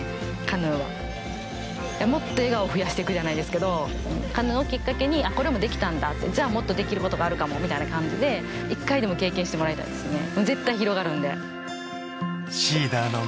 カヌーはもっと笑顔を増やしていくじゃないですけどカヌーをきっかけにあっこれもできたんだってじゃあもっとできることがあるかもみたいな感じで１回でも経験してもらいたいですね